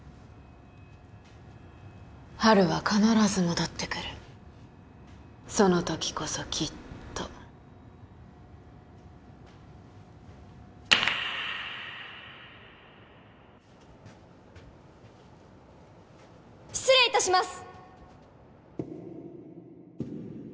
ハルは必ず戻ってくるその時こそきっと失礼いたします！